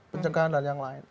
pencengkahan dan yang lain